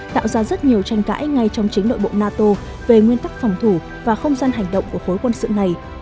tạo ra rất nhiều tranh cãi ngay trong chính nội bộ nato về nguyên tắc phòng thủ và không gian hành động của khối quân sự này